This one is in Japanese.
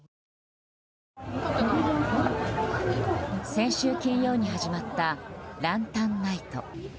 先週金曜に始まったランタンナイト。